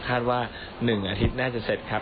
คาดว่า๑อาทิตย์น่าจะเสร็จครับ